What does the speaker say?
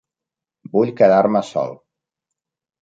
Vull quedar-me sol.